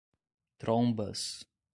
Trombas